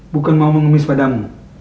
bukan mau mengemis padamu